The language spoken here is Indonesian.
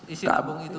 isi lambung itu